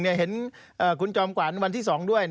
เห็นคุณจอมขวัญวันที่๒ด้วย